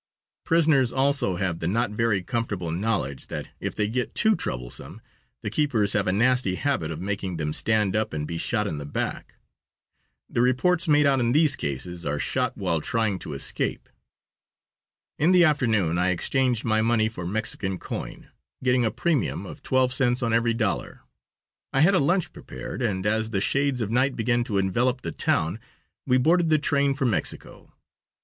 Prisoners also have the not very comfortable knowledge that, if they get too troublesome, the keepers have a nasty habit of making them stand up and be shot in the back. The reports made out in these cases are "shot while trying to escape." In the afternoon I exchanged my money for Mexican coin, getting a premium of twelve cents on every dollar. I had a lunch prepared, and as the shades of night began to envelop the town, we boarded the train for Mexico.